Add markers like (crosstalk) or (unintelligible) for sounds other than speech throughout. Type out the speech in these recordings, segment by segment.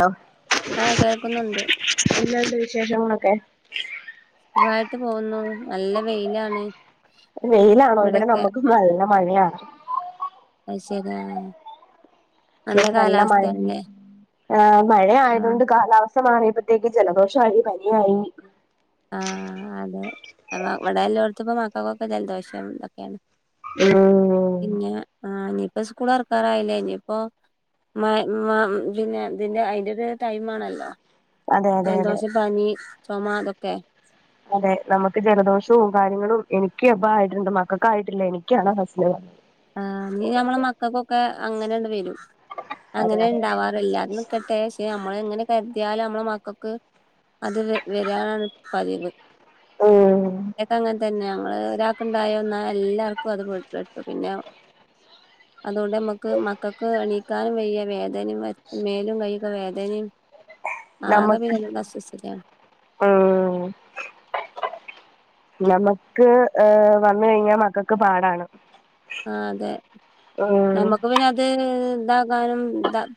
Law ആഹ് കേൾക്കുന്നുണ്ട് എന്താണ്ട് വിശേഷങ്ങളൊക്കെ ഉവായിട്ട് പോകുന്നു നല്ല വെയിലാണ് വെയിലാണോ ഇവിടെ ഇവിടെക്കെ നമ്മക്ക് നല്ല മഴയാ അയ്ശേരി ആഹ് ഇവിടെൺ നല്ല മഴേ ആഹ് മഴാ ആഹ് യ്തോണ്ട് കാലാവസ് സ്ഥമാറിയപ്പത്തേക്ക് ജലദോഷായി പനിയായി ആഹ് അതെ എവ ഇവടെല്ലോട്തുപ മക്കക്കൊക്കെ ജൽദോഷം തൊക്കെയാണ് ഉം പിന്നെ ആഹ് ഇഞിപ്പോ സ്കൂളൊർ ക്കാറായില്ലേ ഞിപ്പോ (unintelligible) പിന്നെ ഇതിന്റെ അതിന്റെ ഒരു ടൈം ആണല്ലോ അതെ അതെ അതെ ജലദോശം, പനി, ചുമ, ഇതൊക്കെ അതെ നമുക്ക് ജലദോഷവും കാര്യങ്ങളും എനക്ക് എപ്പ ആയിട്ടുണ്ട് മക്കൾക്ക ആയിട്ടില്ല എനിക്കാണ് ആണ് ഹസ്ബൻഡ പറഞ്ഞത്. ആഹ് നീ ഞമ്മളെ മക്കൾക്കൊക്കെ അങ്ങനെയണ്ട വരും അതെ അങ്ങനെ അതെ ഉണ്ടാവാറല്ല ന്ന് പ്പൊ ടേസ്റ്റ് പെ നമ്മള എങ്ങനെ കരുതിയാലും നമ്മളെ മക്കൾക്ക് അത് വരാനാണ് പതിവ് ഉം അതൊക്കെ അങ്ങനെ തന്നെ ഞങ്ങൾ ഒരാൾക്ക്ണ്ടായോന്നാ എല്ലാർക്കും അത് കിട്ടും പിന്ന (inaudible) അതുകൊണ്ട് നമുക്ക് മക്കൾക്ക് എണീക്കാനും വയ്യ വേദനയും മേലും കഴൊക്കെ വേദനയും ആഗപ്പിന്നനരു സ്‌വശസത്തതാണ് ആഹ് നമുക്ക് ഏഹ് വന്നു കഴിഞ്ഞാ മക്കൾക്ക് പാടാണ് ആഹ് അതെ ഉം നമ്മുക്ക് പിന്നെ അത് ഇതാകാനും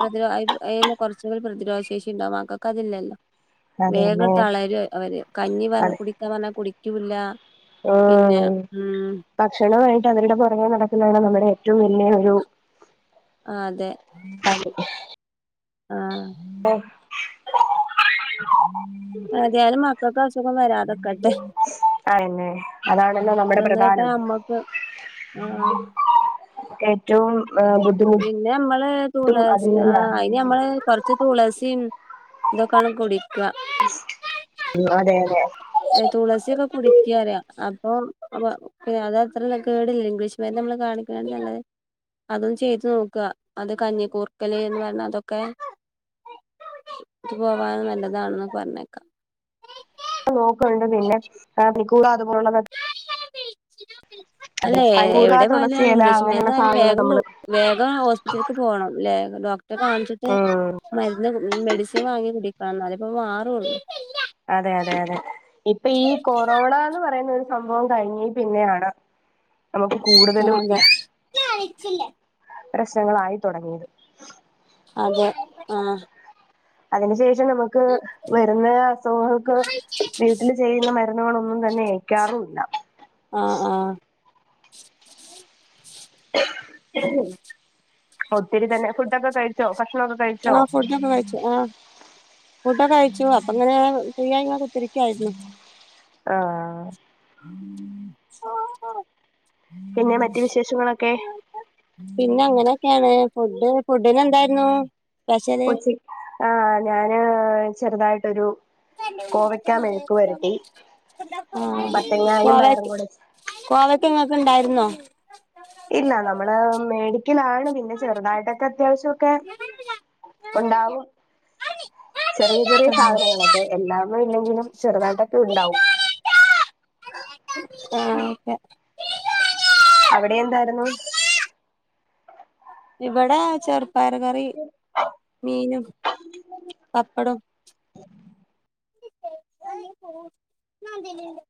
പ്രതിരോ അയ് കുറച്ചുകൂടി പ്രതിരോധ ശേഷി ഉണ്ടാകുംമക്കക്കതില്ലല്ലോ വേഗം അതന്നെ തളരു അവര് കഞ്ഞി പറഞ്ഞ കുടിക്കാൻ പറഞ്ഞാൽ കുടിക്കൂല്ല പിന്നെ ആഹ് ഉം ഭക്ഷണമായിട്ട് അതിടെ പുറകെ നടക്കുന്നതാണ് നമ്മുടെ ഏറ്റവും വലിയ ഒരു ആഹ് അതെ പണി ആഹ് ഓഹ് മാറിയാലും മക്കൾക്ക് അസുഖം വരാതക്കട്ടെ ആതന്നെ അതാണല്ലോ നമ്മുടെ പ്രധാനം ആഹ് ആഹ് ആഹ് ഏറ്റവും ബുദ്ധിമുട്ടും പിന്നെ മ്മള് തുളസ് അതിൽ നിന്നാണ് ആയ് ഇ നമ്മള് കൊറച്ച് തുളസി ഇതൊക്കെയാണ് കുടിക്ക ഉം അതെ അതെ ഏഹ് തുളസിയൊക്കെ കുടിക്കറ അപ്പൊ പിന്നെ അത് അത്രല്ല കേടില്ല ഇംഗ്ലീഷ്മാരെ നമ്മള് കാണിക്കണാണ് നല്ലത് അതും ചെയ്തു നോക്കുക അത് കഞ്ഞിക്കൂർക്കല് എന്ന് പറഞ അതൊക്കെ ഇത് പോവാൻ നല്ലതാണെന്ന് പറഞ്ഞേക്കാം നോക്കണ്ട് പിന്നെ നിക്കുക അതുപോലുള്ളത അതെ അല്ലെ പരിറ എവിടെ പോയാലും തുളസേല ഇംഗ്ലീഷ് അങ്ങനെയുള്ള മരുന്നായാലും സാധനങ്ങളൊക്കെ വേഗം നമ്മള് വേഗം ഹോസ്പിറ്റലക്ക് പോണംലേ ഡോക്ടറെ കാണിച്ചിട്ട് ഉം മരുന്ന് മെഡിസിൻ വാങ്ങി കുടിക്ക അതിപ്പോ മാറുള്ളു അതെ അതെ അതെ ഇപ്പൊ ഈ കൊറോണ എന്ന് പറയുന്ന ഒരു സംഭവം കഴിഞ്ഞ പിന്നെയാണ് നമുക്ക് കൂടുതലും അതെ പ്രശ്നങ്ങളായി തുടങ്ങിയത് അതെ ആഹ് അതിനു ശേഷം നമുക്ക് വരുന്ന അസുഖങ്ങൾക്ക് വീട്ടിൽ ചെയ്യുന്ന മരുന്നുകളൊന്നും തന്നെ ഏയ്ക്കാറുല്ല ആഹ് ആഹ് ഒത്തിരി തന്നെ ഫുടൊക്കെ കഴ് ചോ ഭക്ഷണൊക്കെ കഴിച്ചോ ആഹ് ഫുഡൊക്കെ കയിച്ചു ആഹ് ഫുഡ്ഡോക്കെ കഴിച്ചു അപ്പങ്ങനെ ഫ്രീയായിങ്ങനെ കുത്തിരിക്കാരുന്നു ആഹ് (unintelligible) പിന്നെ മറ്റ് വിശേഷങ്ങളൊക്കെ പിന്നെ അങ്ങനെക്കെയാണെ ഫുഡ് ഫുഡ്ഡിനെന്താരുന്നു കൊച്ചി ആഹ് ഞാന് ചെറുതായിട്ടൊരു കോവയ്ക്കാ മെഴുക്ക് വരട്ടി ആഹ് മത്തങ്ങായും പയറും കോലാരിക്ക് കൂടെ കോവക്ക ഇങ്ങക്ക് ഇണ്ടാരുന്നോ ഇല്ല നമ്മള് മേടിക്കലാണ് പിന്നെ ചെറുതായിട്ടൊക്കെ അത്യാവശ്യം ക്കെ ഒണ്ടാവും ചെറിയ ചെറിയ സാധനങ്ങളൊക്കെ എല്ലാന്നും ഇല്ലെങ്കിലും ചെറുതായിട്ടൊക്കെ ഉണ്ടാവും ആഹ് ഓക്കെ അവിടെ എന്താരുന്നു ഇവിടെ ചെറുപ്പയറ് കറി മീനും പപ്പടോം (unintelligible)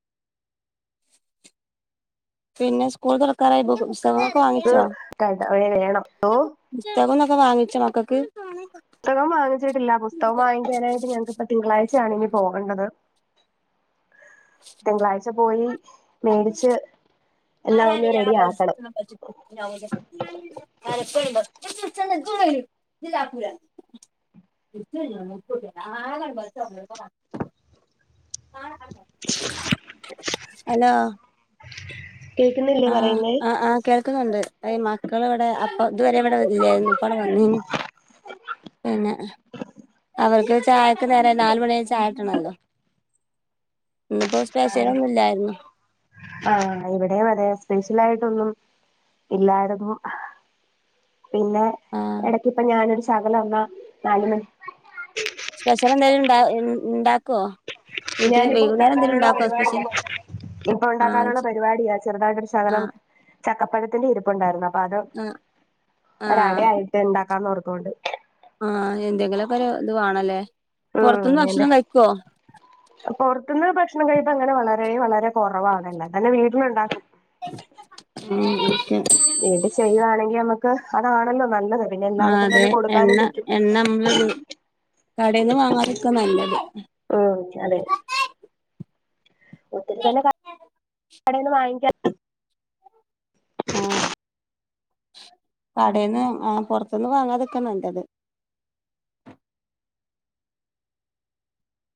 പിന്നെ സ്കൂൾ തുറക്കാറായി ബുക്കു പുസ് തെങ്ങൊക്കെ വാങ്ങി ത് കണ്ട അവിടെ വേണം ഓഹ് പുസ്തകന്നൊക്കെ വാങ്ങിച്ചൊ മക്കക്ക് സ്തകം വാങ്ങിച്ചിട്ടില്ല പുസ്തകം വാങ്ങിക്കാനായിട്ട് ഞങ്ങക്ക് അപ്പൊ തിങ്കളാഴ്ചയാണ് ഇനി പോകണ്ടത് തിങ്കളാഴ്ച പോയി മേടിച്ച് എല്ലാം ഒന്ന് റെഡി ആക്കണം (unintelligible) (inaudible) (unintelligible) ആഹ് അടുത്തോ ഹലോ കേൾക്കുന്നില്ലേ ആഹ് പറയുന്നേ ആഹ് ആഹ് കേൾക്കുന്നുണ്ട് അയ് മക്കളിവിടെ അപ്പൊ ഇതുവരെ ഇവിടെ ഇല്ലായിരുന്നു ഇപ്പ ണ്ട് വന്നിനി പിന്നെ അവർക്ക് ചായക്ക്നേരായ് നാല് മണിയായ ചായ കിട്ടണല്ലോ ഇന്ന് പ്പോ സ്പെഷ്യലൊന്നും ഇല്ലാരുന്നു ആഹ് ഇവിടെം അതേ സ്പെഷ്യലായിട്ടൊന്നും ഇല്ലാരുന്നു പിന്നെ ആഹ് എടക്ക് ഇപ്പ ഞാനൊരു ഷകലം വന്ന നാല് മണി സ്പെഷ്യല് എന്തേലും ഉണ്ട ഉണ്ടാക്കുവോ ഞാനിപ്പോ ഉണ്ടാക്കാനുള്ള പരിപാടിയ ഇപ്പൊ ആഹ് ഉണ്ടാക്കാനുള്ള ശരി പരിപാടിയാ ചെറുതായിട്ടൊരു ശകലം ആഹ് ചക്കപ്പഴത്തിന്റെ ഇരിപ്പുണ്ടാരുന്നു അപ്പൊ അത് ആഹ് ആഹ് ഒരടയായിട്ട് ഇണ്ടാക്കാന്നോർത്തോണ്ട് ആഹ് എന്തെങ്കിലുഒക്കെ ഒരു ഇത് വേണല്ലേ പൊറത്ത്ന്ന് ഭക്ഷണം കഴിക്കുവോ പൊറത്ത്ന്ന് ഭക്ഷണം കഴിപ്പ് അങ്ങനെ വളരെ വളരെ കൊറവാണല്ലേതന്നെ വീട്ടിലുണ്ടാക്കും ഉം ഓക്കെ വീട്ടി ചെയ്യുവാണെങ്കി നമുക്ക് അതാണല്ലോ നല്ലത് പിന്നെ ആഹ് എല്ലാർക്കും അതെ തന്നെ കൊടുക്കാനും എണ്ണ പറ്റും കടെന്ന് വാങ്ങാത്ക്ക നല്ലത് ഉം അതെ ഒത്തിരി തന്നെ ക കടെന്ന് വാങ്ങിക്കാ ആഹ് കടെന്ന് ആഹ് പൊറത്തുന്ന് വാങ്ങാത്ക്ക നല്ലത്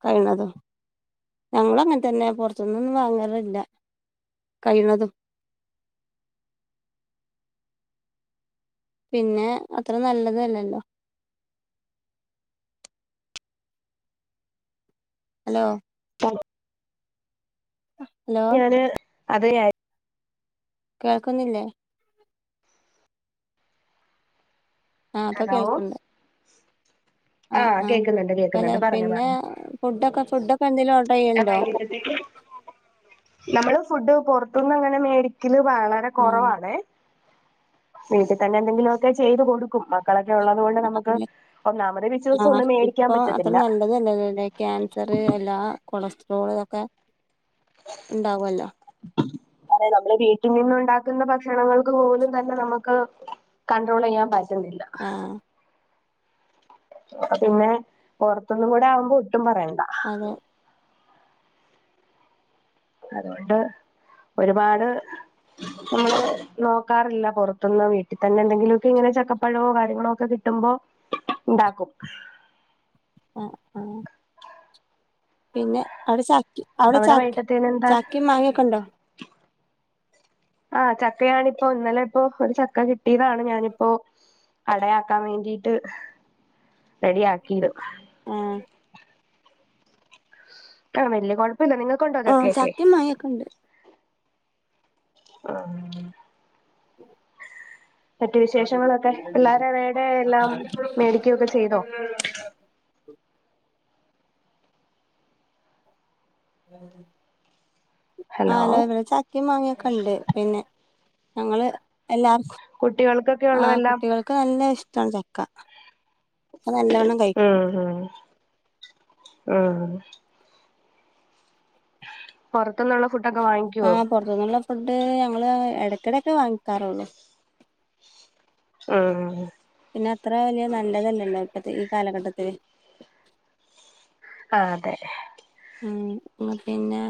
കഴിന്നതും ഞങ്ങള് അങ്ങനെ തന്നെ പുറത്ത്ന്നൊന്നും വാങ്ങറില്ല കഴിയണതും പിന്നെ അത്ര നല്ലതല്ലല്ലോ ഹലോ (unintelligible) ഹലോ (unintelligible) അതെ കേക്കുന്നില്ലേ ആഹ് ഇപ്പൊ ഹലോ കേൾക്കണ്ട്‌ ആ ആഹ് ആഹ് കേൾക്കുന്നുണ്ട് പല കേൾക്കുന്നുണ്ട് പറഞ്ഞോ പിന്നെ പറഞ്ഞോ ഫുഡൊക്കെ ഫുഡൊക്കെ എന്തെലും ഓർഡർ ചെയ്യല്ണ്ടോ വൈകിട്ടത്തേക്ക് നമ്മള് ഫുഡ് പുറത്തുന്ന് അങ്ങന മേടി ക്കില് വളരെ ആഹ് കുറവാണെ വീട്ടി തന്നെ എന്തെങ്കിലുമൊക്കെ ചെയ്ത് കൊടുക്കും മക്കളൊക്കെ ഉള്ളത് കൊണ്ട് നമുക്ക് അങ്ങനെ ഒന്നാമതെ വിശ്വസിച്ച് ഒന്നും മേടിക്കാൻ പറ്റത്തില്ല അതല്ലല്ലല്ലേ ക്യാൻസർ അല്ലാ കൊളസ്ട്രോൾ ഒക്കെ ഉണ്ടാവു അല്ലോ അതെ നമ്മളെ വീട്ടിൽ നിന്നുണ്ടാക്കുന്ന ഭക്ഷണങ്ങൾക്ക് പോലും തന്നെ നമുക്ക് കൺണ്ട്രോൾ ചെയ്യാൻ പറ്റുന്നില്ല ആഹ് അപ്പൊ പിന്നെ പുറത്തൊന്നും കൂടെ ആവുമ്പോ ഒട്ടും പറയണ്ട ആന്ന് അതുകൊണ്ട് ഒരുപാട് നമ്മള് നോക്കാറില്ല പുറത്തുന്ന് വീട്ടി തന്നെ എന്തെങ്കിലുമൊക്കെ ഇങ്ങനെ ചക്കപ്പഴവൊ കാര്യങ്ങളോ ഒക്കെ കിട്ടുമ്പോ ഉണ്ടാക്കും ആഹ് ആഹ് പിന്നെ അവിടെ ചക് അവിടെ ചക് ചാക്കിയും മാങ്ങയൊക്കെ ഉണ്ടോ ആഹ് ചക്കയാണിപ്പോ ഇന്നലെ ഇപ്പോ ഒരു ചക്ക കിട് ട്ടിയതാണ് ഞാനിപ്പോ അടയാക്കാൻ വേണ്ടിട്ട് റെഡിയാക്കിത് ആഹ് ആഹ് വല്യ കുഴപ്പില്ല നിങ്ങക്കൊണ്ടോ ചക്കയൊക്കെ ആയൊക്കെ ഉണ്ട് ആഹ് മറ്റു വിശേഷങ്ങളൊക്കെ പിള്ളോര അവേടെ എല്ലാം മേടിക്കയൊക്കെ ചെയ്തോ ഹലോ ആഹ് എല്ലാം മേ ചക്ക ക്കയും മാങ്ങയൊക്കെ ഉണ്ട് പിന്നെ ഞങ്ങള് എല്ലാം കുട്ടികൾക്കൊക്കെ ആഹ് ഉള്ളതെല്ലാം കുട്ടികൾ ക്ക് നല്ല ഇഷ്ടവാണ് ചക്ക ഇപ്പൊ നല്ലവണ്ണം കഴിക്കും ഉം ഊം ഉം പൊറത്ത്ന്നുള്ള ഫുഡൊക്കെ വാങ്ങി ആഹ് പൊറത്ത് നിന്നുള്ള ഫുഡ് ഞങ്ങള് ഇടക്കിടൊക്കെ വാങ്ങിക്കാറുള്ളൂ ആഹ് പിന്നെ അത്ര വലിയ നല്ലതല്ലല്ലോ ഇപ്പത്തെ ഈ കാലഘട്ടത്തില് ആഹ് അതെ ഉം പിന്നെ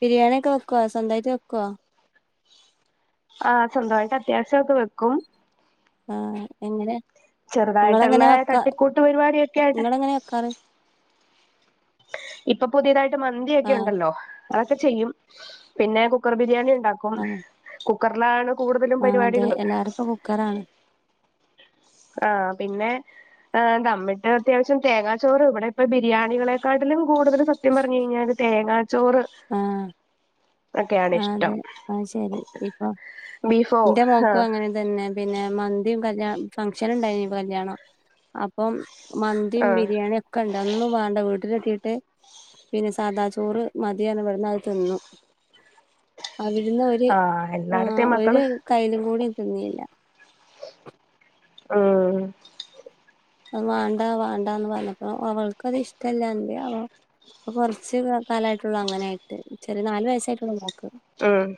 ബിരിയാണി ഒക്കെ വെക്കുവൊ സ്വന്തവായിട്ട് വെക്കോ ആഹ് സ്വന്തവായിട്ട് അത്യാവശ്യം ഒക്കെ വെക്കും ആഹ് എങ്ങനെ നിങ്ങൾ എങ്ങന ചെറുതായിട്ടുള്ള വെക്കാ തട്ടിക്കൂട്ട് പരിപാടിയൊക്കെ ആയിട്ട് നിങ്ങൾ എങ്ങനെ വെക്കാറ് ഇപ്പൊ പുതിയതായിട്ട് ആ മന്തിഒക്കെ ഉണ്ടല്ലോ അതൊക്കെ ചെയ്യും പിന്നെ കുക്കർ ബിരിയാണി ഉണ്ടാക്ക് ക്കും ആ കുക്കറിലാണ് കൂടുതലും പരിപാടികള് ഇപ്പൊ കുക്കറാണ് ആഹ് പിന്നെ ആഹ് ദംമ്മിട്ട് അത്യാവശ്യം തേങ്ങാച്ചോറ് ഇവിടെ ഇപ്പ ബിരിയാണികളെ ക്കാട്ടിലും കൂടുതൽ സത്യം പറഞ്ഞ്കഴിഞ്ഞാല് തേങ്ങാച്ചോറ് ആ ഒക്കെയാണ് ആ ഇഷ്ടം അതെ ആ ശരി ഇപ്പൊ ബീഫോ ന്റെ മോക്കും ആഹ് അങ്ങനെ തന്നെ പിന്നെ മന്തി കല്യ ഫങ്ക്ഷന്ഉണ്ടായി ഇപ്പൊ കല്യാണം അപ് അപ്പം മന്തിയും ആഹ് ബിരിയാണിയൊ ഒക്കണ്ട് ഒന്നും വേണ്ട വീട്ടിലെത്തിട്ട് പിന്നെ സാദാ ചോറ് മാ യാണ് ഇവിടുന്ന് അത് തിന്നു അവിടുന്ന് ഒരു ആഹ് ആഹ് എല്ലായിടത്തെയും ഒരു മക്കള് കയ്യിലും കൂടി തിന്നിയില്ല ആഹ് അത് വേണ്ടാ വേണ്ടാ എന്ന് പറഞ്ഞപ്പ അവൾക്കത് ഇഷ്ടല്ലാ എന്തെയാവോ കുറച്ച് കാലമായിട്ടുള്ളു അങ്ങനൊയിട്ട് ചെറിയ നാല് വയസ്സായിട്ടുള്ളാ മോൾക്ക് ഉം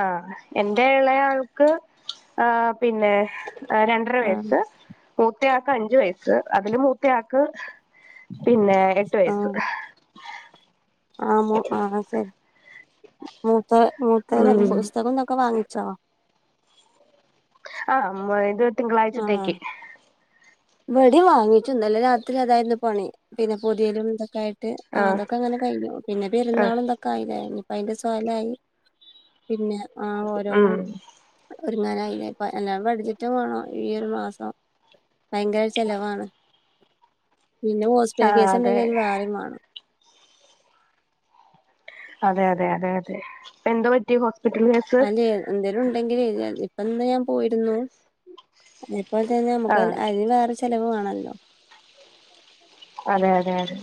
ആഹ് എന്റെ ഇളയാൾക്ക് ആഹ് പിന്നെ രണ്ടര ആഹ് വയസ്സ് മൂത്തയാക്ക് അഞ്ചു വയസ്സ് അതില് മൂത്തയാക്ക് പിന്നെ എട്ട് വയസ് ആഹ് ആഹ് ആഹ് ശരി മൂത്ത മൂത്തര ഉം പുസ്തകങ്ങള് ഒക്കെ വാങ്ങിച്ചോ ആഹ് മൊയ്തു തിങ്കളാഴ്ചത്തേക്ക് വെടി വാങ്ങിച്ചിട്ടുണ്ട് ഇന്നല്ലേ രാത്രി അതായിരുന്നു പണി പിന്നെ പൊതിയലും ഇതൊക്കെയായിട്ട് ആഹ് അതൊക്കെങ്ങനെ കഴിഞ്ഞു പിന്നെ ആഹ് പെരുന്നാളും ഇതക്കെ ആയില്ല ഇനിയിപ്പ അതിന്റെ സവല ആയി പിന്നെ ആഹ് ഉം ഓരോന്നും ഒരുങ്ങാനായില്ലേ ഇപ്പൊ എല്ലാ ബഡ്ജറ്റും വേണം ഈഒരു മാസം ഭയങ്കര ചെലവാണ് പിന്നെ ഹോസ്പിറ്റൽ ആഹ് കേസ് അതെ ഉണ്ടെങ്കിൽ അത് വേറെവേണം അതെ അതെ അതെ അതെ ഇപ്പ എന്താ പറ്റി ഹോസ്പിറ്റല് അല്ലെ എന്തേലും ഉണ്ടെങ്കില് ഇപ്പതന്നെ ഞാൻ പോയിരുന്നു ഇപ്പോൾ തന്നെ നമുക്ക് ആഹ് അതിന് വേറെ ചെലവ് വേണല്ലോ അതെ അതെ അതെ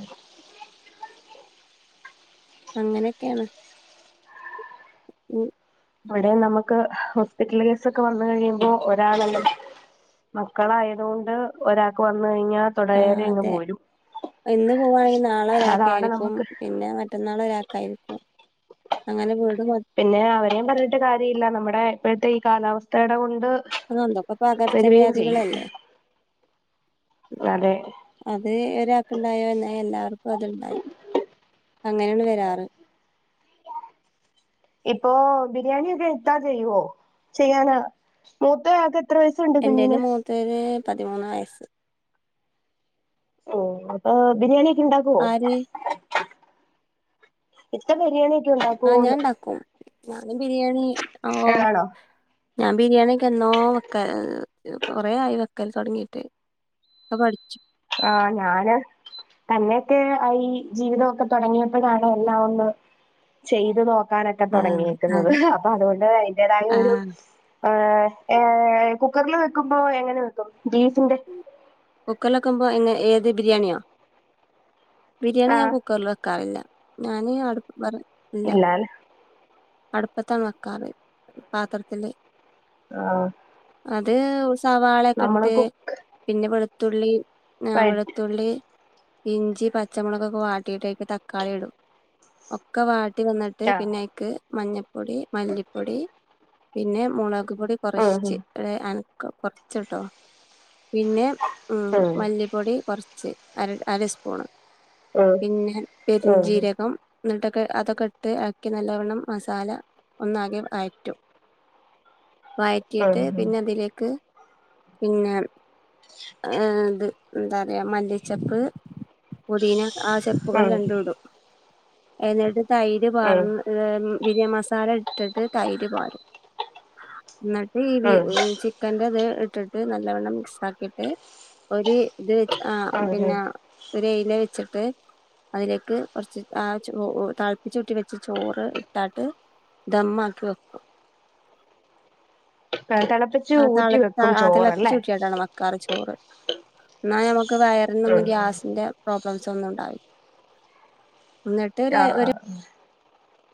അങ്ങനെയൊക്കെയാണ് ഉം ഇവിടെ നമുക്ക് ഹോസ്പിറ്റൽ കേസ് ഒക്കെ വന്ന കഴിയുമ്പോ ഒരാളല്ല മക്കളായതുകൊണ്ട് ഒരാൾക്ക് വന്ന കഴിഞ്ഞാൽ ആഹ് തുടരെ അങ്ങ് അതെ പോരും ഇന്ന് പോവവാണെങ്കിൽ നാളെ ഒരാക്ക് അതാണ് ആയിരിക്കും നമുക്ക് പിന്നെ മറ്റ് പെന്നാള് ഒരാക്കായിരിക്കും അങ്ങനെ വീട് (unintelligible) പിന്നെ അവരേും പറഞ്ഞിട്ട് കാര്യംല്ല നമ്മുടെ ഇപ്പോഴത്തെ ഈ കാലാവസ്ഥയുടെ കൊണ്ട് അതൊന്തോപ്പൊ വരികയും ചെയ്യും പകർച്ചവ്യാധികളല്ലേ അതെ അത് ഒരാക്കുണ്ടായ എന്നാ എല്ലാവർക്കും അത്ണ്ടായി അങ്ങനെയാണ് വരാറ് ഇപ്പൊ ബിരിയാണി യൊക്കെ ഇത്താ ചെയ്യുവോ ചെയ്യാന മൂത്താക്ക് എൻ്റെ മൂത്തേന് പതിമൂന്ന് വയസ്സ് ഓ അപ്പൊ ബിരിയാണി ഒക്കെ ഉണ്ടാക്ക ആര് ഇത്ത ബിരിയാണി ഒക്കെ ഉണ്ടാക്കി ആഹ് ഞാൻ ഉണ്ടാക്കും ഞാന് ബിരിയാണി ആഹ് ആണോ ഞാൻ ബിരിയാണിക്ക് എന്നോ വെക്ക കൊറെ ആയി വെക്കൽ തുടങ്ങിയിട്ട് ആഹ് പഠിച്ചു ആഹ് ഞാന് തന്നെയൊക്കെ ഈ ജീവിതമൊക്കെ തുടങ്ങിയപ്പോഴാണ് എല്ലാം ഒന്ന് ചെയ്ത് നോക്ക നൊക്കെ ആ തുടങ്ങിയെക്കുന്നത് അതെ അപ്പൊ അതുകൊണ്ട് അതിന്റേതായ ആ ഒരു ആഹ് ഏഹ് കുക്കറിൽ വെക്കുമ്പോ എങ്ങനെ വെക്കും ബീഫിന്റെ കുക്കറിലവെക്കുമ്പോ എങ്ങ ഏത് ബിരിയാണിയോ ബിരിയാണി ഞാൻ ആഹ് കുക്കറിൽ വെക്കാറില്ല ഞാനീ അടുപ്പ് വെറ ഇല്ലാൽ അടുപ്പത്താണ് വെക്കാറ് പാത്രത്തില് ആഹ് അത് സവാള ഒക്കെ നമ്മള് ഇട്ട് കുക്ക് പിന്നെ വെളുത്തുള്ളി ആഹ് വെളുത്തുള്ളി ഇഞ്ചി പച്ചമുളകൊക്കെ വാട്ടിയിട്ട് അയ്ക്ക് തക്കാളി ഇടും ഒക്കെ വാ ടി വന്നിട്ട് ആഹ് പിന്നെ അയ്ക്ക് മഞ്ഞപ്പൊടി മല്ലിപ്പൊടി പിന്നെ മുളക് പൊടി കുറശ് ച്ച് ഉം ഒരു അനക്കം കുറച്ച്ട്ടോ പിന്നെ ഉം മല്ലി പൊടി കൊറച്ച് അര അരസ്പൂണ് ഉം പിന്നെ ഉം ഉം പെരിഞ്ചീരകം ന്നട്ടൊക്കെ അതൊക്കെ ഇട്ട് എളക്കി നല്ലവണ്ണം മസാല ഒന്നാകെ വയറ്റും ഉം ഉം വഴറ്റിയിട്ട് പിന്നെ അതിലേക്ക് പിന്നെ ഏഹ് ഇത് എന്താ പറയാ മല്ലിചെപ്പ് പൊതീന ആഹ് ചെപ്പുകൾ രണ്ടും ഇടും എന്നിട്ട് തൈര് ഉം ഉം പാർന്ന് ഏഹ് ഉം ബിരിയ മസാല ഇട്ടിട്ട് തൈര് പാരും ന്നട്ട് ഈ ബി ഉം ചി ക്കന്റെ ഇത് ഇട്ടിട്ട് നല്ലവണ്ണം മിക്സ് ആക്കിയിട്ട് ഒരു ഇത് വെ ആഹ് ഉം പിന്നെ ഒരു എയില വെച്ചിട്ട് അതിലേക്ക് കുറച്ച് ആഹ് ചോ തെളപ്പിച്ചൂറ്റി വെച്ച ചോറ് ഇട്ടാട്ട് ദമ്മാക്കി വെക്കും ആഹ് തെളപ്പിച്ച് ഊറ്റി വെക്കും ചോറല്ലേ കറി ചോറ് എന്നാൽ നമുക്ക് വയറിനൊന്നും ഉം ഗ്യാസിന്റെ പ്രോബ്ലംസ് ഒന്നും ഉണ്ടാവില്ല ന്ന ആഹ് ആഹ് ഉം